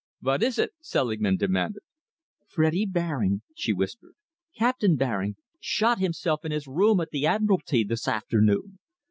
"What is it?" Selingman demanded. "Freddy Baring," she whispered "Captain Baring shot himself in his room at the Admiralty this afternoon!